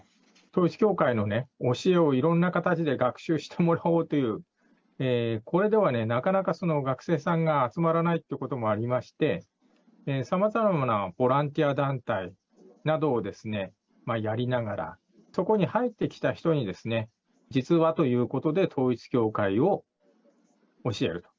統一教会のね、教えをいろんな形で学習してもらおうという、これではね、なかなか学生さんが集まらないということもありまして、さまざまなボランティア団体などをやりながら、そこに入ってきた人に、実はということで、統一教会を教える。